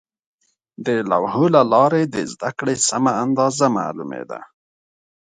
د لوحو له لارې د زده کړې سمه اندازه معلومېده.